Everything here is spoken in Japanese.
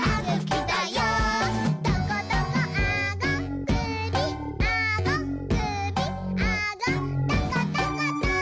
「トコトコあごくびあごくびあごトコトコト」